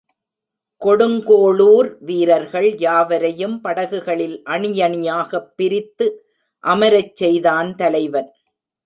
கொடுங்கோளூர் வீரர்கள் யாவரையும் படகுகளில் அணியணியாகப் பிரித்து அமரச்செய்தான் தலைவன்.